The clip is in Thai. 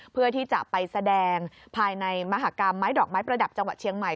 เพื่อที่จะไปแสดงภายในมหากรรมไม้ดอกไม้ประดับจังหวัดเชียงใหม่